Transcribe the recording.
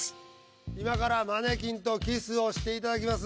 今からマネキンとキスをしていただきます。